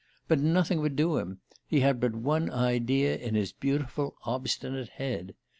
But nothing would do him: he had but one idea in his beautiful obstinate head.